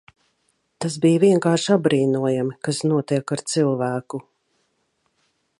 Tas bija vienkārši apbrīnojami, kas notiek ar cilvēku.